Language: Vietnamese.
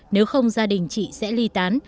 nếu không gia đình chị sẽ ly tán